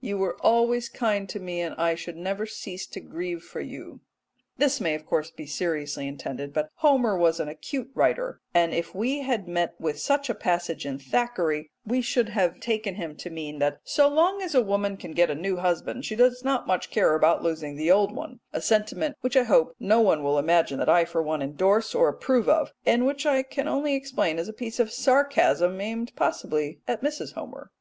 You were always kind to me, and I should never cease to grieve for you." This may of course be seriously intended, but Homer was an acute writer, and if we had met with such a passage in Thackeray we should have taken him to mean that so long as a woman can get a new husband, she does not much care about losing the old one a sentiment which I hope no one will imagine that I for one moment endorse or approve of, and which I can only explain as a piece of sarcasm aimed possibly at Mrs. Homer.